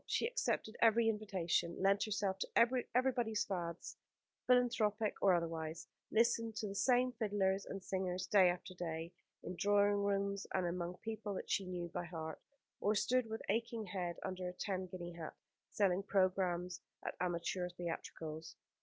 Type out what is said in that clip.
She accepted every invitation, lent herself to everybody's fads, philanthropic or otherwise; listened to the same fiddlers and singers day after day, in drawing rooms and among people that she knew by heart; or stood with aching head under a ten guinea hat, selling programmes at amateur theatricals.